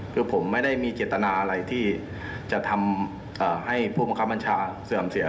คือผมไม่ได้มีเจตนาอะไรที่จะทำให้ผู้บังคับบัญชาเสื่อมเสีย